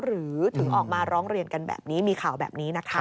หรือถึงออกมาร้องเรียนกันแบบนี้มีข่าวแบบนี้นะคะ